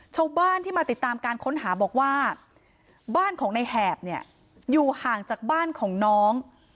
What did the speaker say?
ชาวบ้านที่มาติดตามการค้นหาบอกว่าบ้านของในแหบเนี่ยอยู่ห่างจากบ้านของน้อง